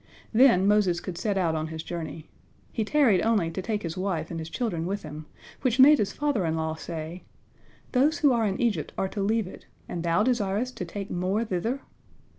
Then Moses could set out on his journey. He tarried only to take his wife and his children with him, which made his father in law say, "Those who are in Egypt are to leave it, and thou desirest to take more thither?"